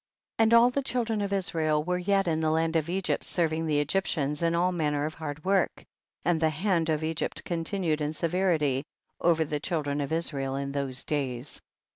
24. And all the children of Israel were yet in the land of Egypt serv ing the Egyptians in all manner of hard work, and the hand of Egypt continued in severity over the child ren of Israel in those days.